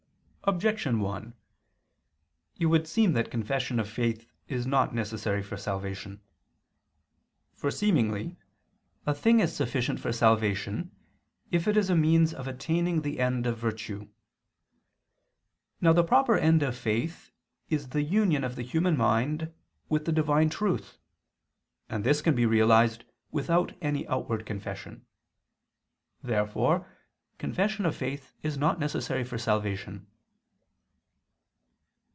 Objection 1: It would seem that confession of faith is not necessary for salvation. For, seemingly, a thing is sufficient for salvation, if it is a means of attaining the end of virtue. Now the proper end of faith is the union of the human mind with Divine truth, and this can be realized without any outward confession. Therefore confession of faith is not necessary for salvation.